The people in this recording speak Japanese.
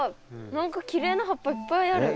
何かきれいな葉っぱいっぱいある。